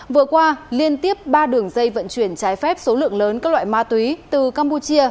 vừa qua liên tiếp ba đường dây vận chuyển trái phép số lượng lớn các loại ma túy từ campuchia